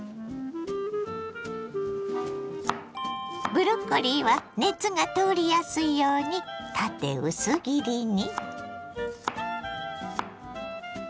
ブロッコリーは熱が通りやすいように縦薄切りに。